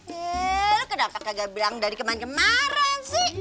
eh lo kadang kagak bilang dari kemarin kemarin sih